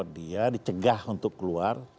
dia dicegah untuk keluar